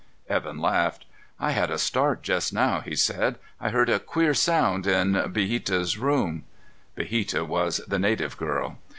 Evan laughed. "I had a start just now," he said. "I heard a queer sound in Biheta's room." Biheta was the native girl.